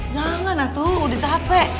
jangan lah tuh udah capek